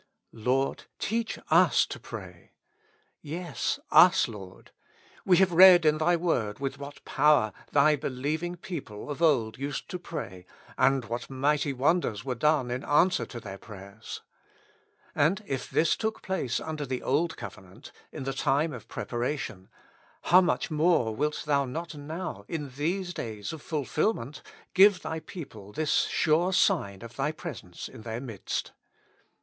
" Lord, teach us to pray." Yes, tis, Lord. We have read in Thy Word with what power Thy believing people of old used to pray, and what mighty wonders were done in answer to their prayers. And if this took place under the Old Covenant, in the time of preparation, how much more wilt Thou not now, in these days of fulfilment, give Thy people this sure sign of Thy presence in their midst.